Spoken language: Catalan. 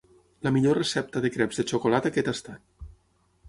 La millor recepta de creps de xocolata que he tastat.